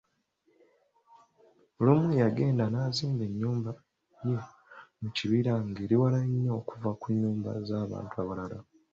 Olumu yagenda nazimba ennyumba ye mukibira nga eriwala nnyo, okuva ku nyumba z'abantu abalala.